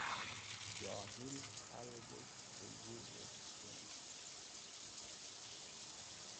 Johil khalgẽsh pẽzũvẽ s̃hẽkind.